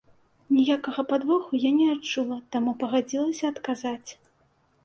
Ніякага падвоху я не адчула, таму пагадзілася адказаць.